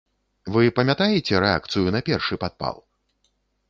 Вы памятаеце рэакцыю на першы падпал?